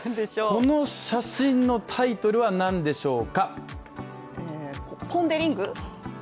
この写真のタイトルは何でしょうか？